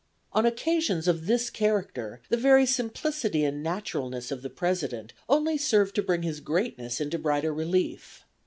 On occasions of this character the very simplicity and naturalness of the President only served to bring his greatness into brighter relief.